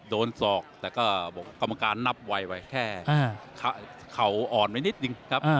ศอกแต่ก็กรรมการนับไวไว้แค่เข่าอ่อนไว้นิดนึงครับ